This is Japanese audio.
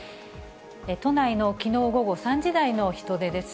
都内のきのう午後３時台の人出です。